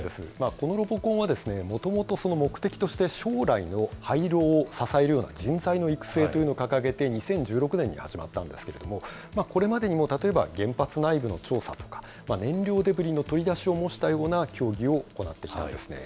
このロボコンは、もともとその目的として将来の廃炉を支えるような人材の育成というのを掲げて、２０１６年に始まったんですけれども、これまでにも例えば、原発内部の調査とか、燃料デブリの取り出しを模したような競技を行ってきたんですね。